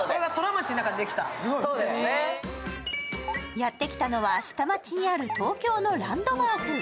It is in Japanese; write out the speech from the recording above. やってきたのは、下町にある東京のランドマーク